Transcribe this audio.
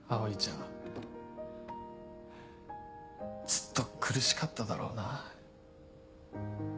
ずっと苦しかっただろうな。